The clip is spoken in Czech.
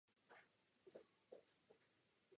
Největší počet druhů roste v Americe.